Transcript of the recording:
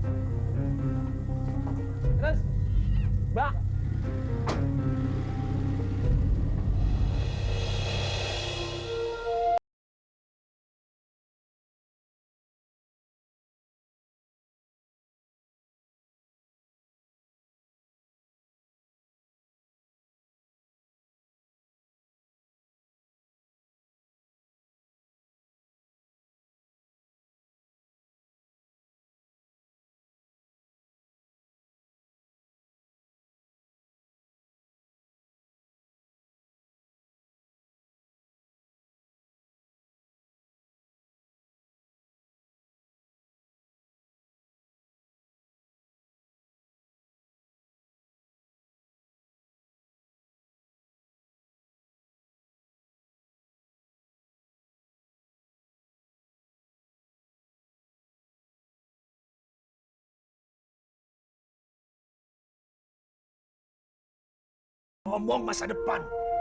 bapak bapak bapak